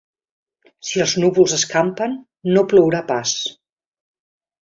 Si els núvols escampen no plourà pas.